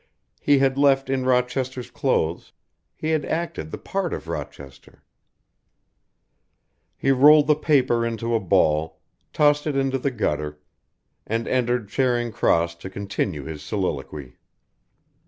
He had left in Rochester's clothes, he had acted the part of Rochester. He rolled the paper into a ball, tossed it into the gutter, and entered Charing Cross to continue his soliloquy.